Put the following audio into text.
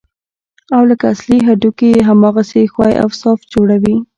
او لکه اصلي هډوکي يې هماغسې ښوى او صاف جوړوي.